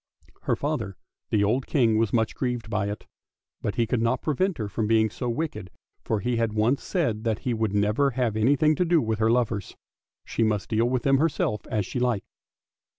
Her father, the old King, was much grieved by it, but he could not prevent her from being so wicked, for he had once said that he would never have anything to do with her lovers; she must deal with them herself as she liked.